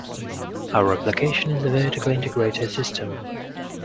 Our application is a vertically integrated system.